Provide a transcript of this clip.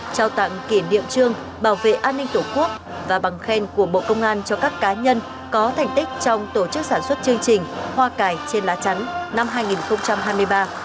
trao tặng kỷ niệm trương bảo vệ an ninh tổ quốc và bằng khen của bộ công an cho các cá nhân có thành tích trong tổ chức sản xuất chương trình hoa cải trên lá trắng năm hai nghìn hai mươi ba